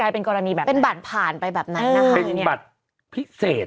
เป็นบัตรผ่านไปแบบไหน